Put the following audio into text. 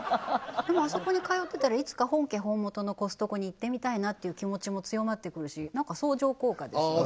でもあそこに通ってたらいつか本家本元のコストコに行ってみたいなっていう気持ちも強まってくるし相乗効果ですよね